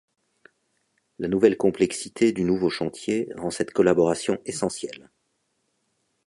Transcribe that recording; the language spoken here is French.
La nouvelle complexité du nouveau chantier rend cette collaboration essentielle.